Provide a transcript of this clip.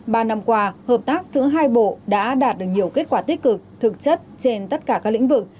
ba năm qua hợp tác giữa hai bộ đã đạt được nhiều kết quả tích cực thực chất trên tất cả các lĩnh vực